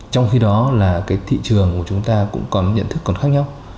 trong khi đó là cái thị trường của chúng ta cũng còn nhận thức còn khác nhau